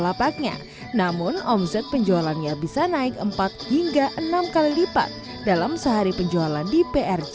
lapaknya namun omset penjualannya bisa naik empat hingga enam kali lipat dalam sehari penjualan di prj